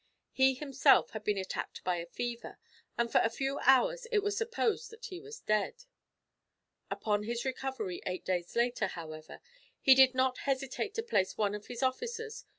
He himself had been attacked by a fever, and for a few hours it was supposed that he was dead. Upon his recovery eight days later, however, he did not hesitate to place one of his officers, M.